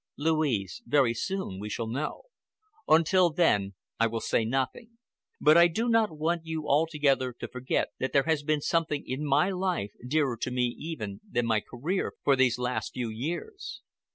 "Louise, very soon we shall know. Until then I will say nothing. But I do not want you altogether to forget that there has been something in my life dearer to me even than my career for these last few years."